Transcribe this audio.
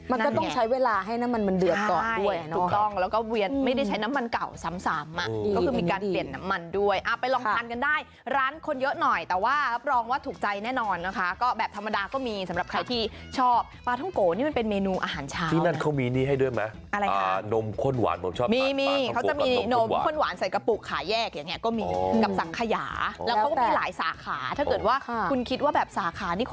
อันหนึ่งก็ได้ตอนนี้มีส่าร์นสาขาเลยตอนนี้